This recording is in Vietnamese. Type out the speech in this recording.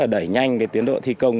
đẩy nhanh tiến độ thi công